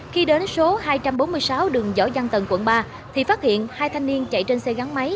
khi đến số hai trăm bốn mươi sáu đường võ giang tầng quận ba thì phát hiện hai thanh niên chạy trên xe gắn máy